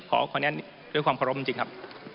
ขอแนะนิดด้วยความขอบคุณจริงครับ